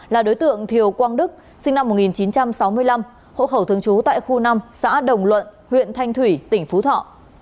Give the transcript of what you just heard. là đối tượng thiều quang đức sinh năm một nghìn chín trăm sáu mươi năm hộ khẩu thường trú tại khu năm xã đồng luận huyện thanh thủy tỉnh phú thọ